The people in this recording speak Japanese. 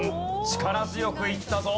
力強くいったぞ。